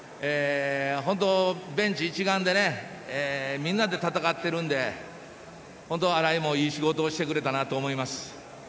本当、ベンチ一丸でみんなで戦っているので本当に新井もいい仕事をしてくれたと思います。